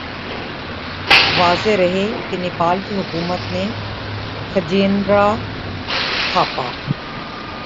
واضح رہے کہ نیپال کی حکومت نے کھجیندرا تھاپا